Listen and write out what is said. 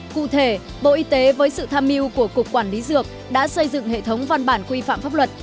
cụ thể bộ y tế với sự tham mưu của cục quản lý dược đã xây dựng hệ thống văn bản quy phạm pháp luật